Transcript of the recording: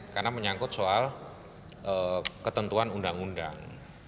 karena menyangkut soal ketentuan undang undang